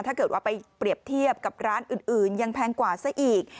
ถ้าเกิดว่าไปเปรียบเทียบกับร้านอื่นยังแพงกว่าซะอีก